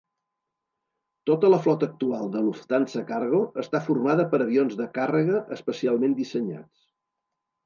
Tota la flota actual de Lufthansa Cargo està formada per avions de càrrega especialment dissenyats.